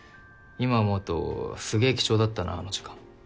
今思うとすげぇ貴重だったなあの時間。